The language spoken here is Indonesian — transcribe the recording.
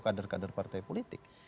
kader kader partai politik